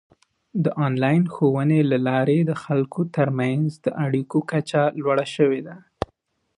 د آنلاین ښوونې له لارې د خلکو ترمنځ د اړیکو کچه لوړه شوې ده.